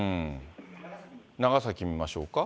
長崎見ましょうか。